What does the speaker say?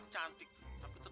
kamu sudah tom